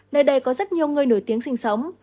nơi đây có rất nhiều người nổi tiếng sinh sống